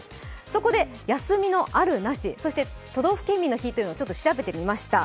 そこで休みのある、なし都道府県民の日をちょっと調べてみました。